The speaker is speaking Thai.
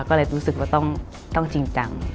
ก็เลยรู้สึกว่าต้องจริงจัง